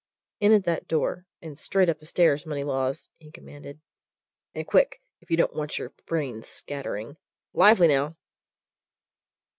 "In at that door, and straight up the stairs, Moneylaws!" he commanded. "And quick, if you don't want your brains scattering. Lively, now!"